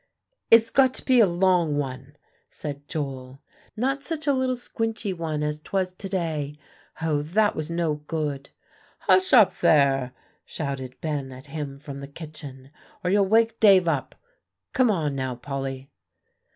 "It's got to be a long one," said Joel; "not such a little squinchy one as 'twas to day. Hoh! that was no good." "Hush up there," shouted Ben at him, from the kitchen, "or you'll wake Dave up. Come on, now, Polly."